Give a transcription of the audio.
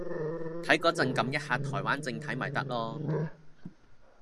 睇個陣㩒一下台灣正體咪得囉